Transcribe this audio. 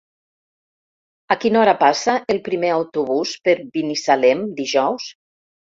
A quina hora passa el primer autobús per Binissalem dijous?